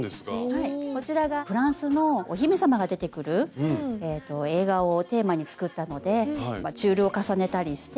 はいこちらがフランスのお姫様が出てくる映画をテーマに作ったのでチュールを重ねたりして。